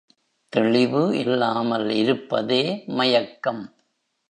தெளிவு இல்லாமல் இருப்பதே மயக்கம்.